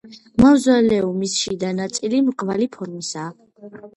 მავზოლეუმის შიდა ნაწილი მრგვალი ფორმისაა.